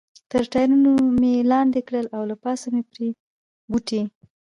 تر ټایرونو مې لاندې کړل، له پاسه مې پرې بوټي.